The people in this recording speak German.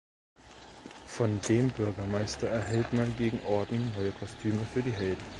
Von dem Bürgermeister erhält man gegen Orden neue Kostüme für die Helden.